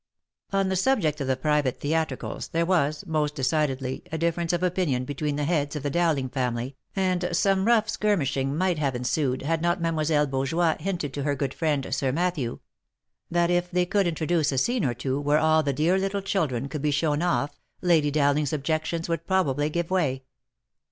On the subject of the private theatricals, there was, most decidedly, a difference of opinion between the heads of the Dowling family, and some rough skirmishing might have ensued, had not Mademoiselle Beaujoie hinted to her good friend, Sir Matthew, that if they could introduce a scene or two, where all the dear little children could be shown off, Lady Dowling's objections would probably give way.